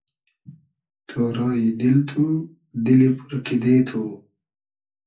تۉرای دیل تو ، دیلی پور کیدې تو